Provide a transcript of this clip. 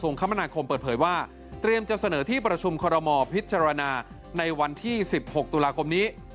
คมนาคมเปิดเผยว่าเตรียมจะเสนอที่ประชุมคอรมอลพิจารณาในวันที่๑๖ตุลาคมนี้